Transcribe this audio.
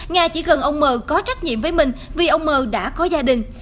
nga chỉ cần ông m có trách nhiệm với mình vì ông m đã có gia đình